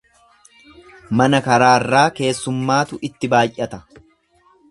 Mana karaarraa keessummaatu itti baay'ata.